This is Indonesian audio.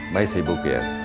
baik saya buka ya